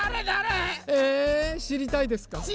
だれ？えしりたいですか？